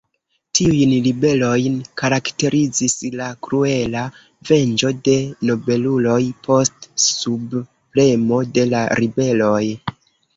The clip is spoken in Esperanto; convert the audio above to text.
Tiujn ribelojn karakterizis la kruela venĝo de nobeluloj post subpremo de la ribeloj.